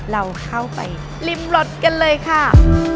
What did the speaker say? เราเข้าไปริมรถกันเลยค่ะ